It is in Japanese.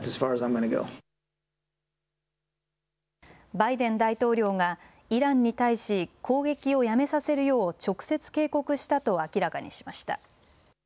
バイデン大統領がイランに対し攻撃をやめさせるよう直接警告したと明らかにしました。